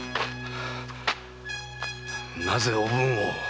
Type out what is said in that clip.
なぜおぶんを？